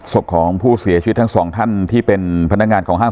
ศพของผู้เสียชีวิตทั้งสองท่านที่เป็นพนักงานของห้าง